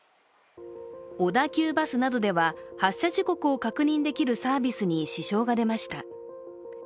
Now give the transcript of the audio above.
小田急バスなどでは発車時刻を確認できるサービスに支障が出ました。